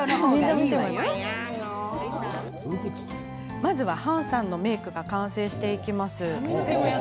まずは、ハンさんのメイクが完成していきます。